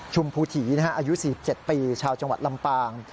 ภูถีอายุ๔๗ปีชาวจังหวัดลำปาง